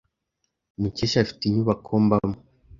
Mukesha afite inyubako mbamo.